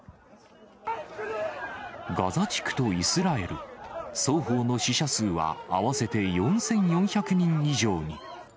ガザ地区とイスラエル、双方の死者数は合わせて４４００人以上に。